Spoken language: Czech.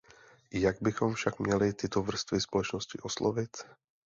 Jak bychom však měli tyto vrstvy společnosti oslovit?